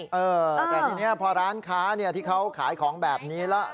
เออแต่ทีนี้พอร้านค้าที่เขาขายของแบบนี้แล้ว